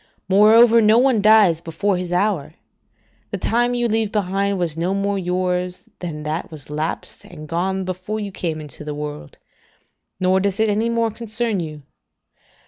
Moreover, no one dies before his hour: the time you leave behind was no more yours than that was lapsed and gone before you came into the world; nor does it any more concern you.